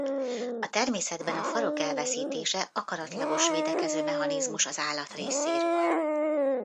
A természetben a farok elveszítése akaratlagos védekező mechanizmus az állat részéről.